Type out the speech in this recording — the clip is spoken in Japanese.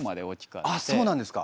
あっそうなんですか。